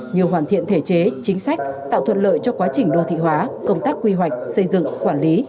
như hoàn thiện thể chế chính sách tạo thuận lợi cho quá trình đô thị hóa công tác quy hoạch xây dựng quản lý